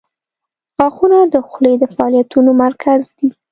• غاښونه د خولې د فعالیتونو مرکز دي.